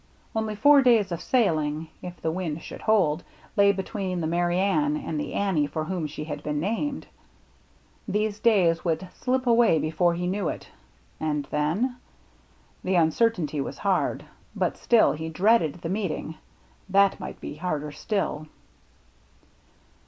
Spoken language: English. Only four days of sailing, if the wind should hold, lay between the Merry Anne and the Annie for whom she had been named. These days would slip away before he knew it, and then ? The uncertainty was hard, but still he dreaded the meeting — that might be harder still.